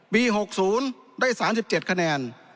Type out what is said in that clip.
๖๐ได้๓๗คะแนน